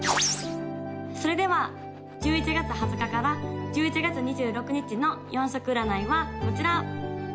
・それでは１１月２０日から１１月２６日の４色占いはこちら！